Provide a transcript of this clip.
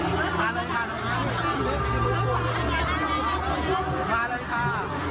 โปรดติดตามตอนต่อไป